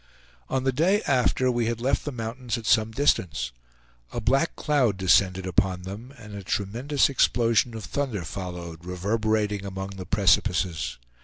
On the day after, we had left the mountains at some distance. A black cloud descended upon them, and a tremendous explosion of thunder followed, reverberating among the precipices.